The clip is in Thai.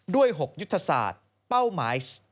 ด้วย๖ยุทธศาสตร์เป้าหมาย